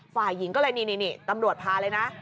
ฝ่ายหญิงก็เลยนี่ตำรวจพาเลยนะ